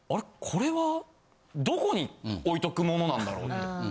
これはどこに置いとくものなんだろうって。